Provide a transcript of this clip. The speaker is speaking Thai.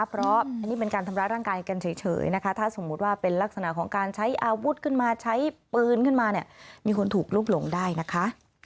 เพราะอันนี้เป็นการทำร้ายร่างกายกันเฉยนะคะถ้าสมมุติว่าเป็นลักษณะของการใช้อาวุธขึ้นมาใช้ปืนขึ้นมาเนี่ยมีคนถูกลุกหลงได้นะคะ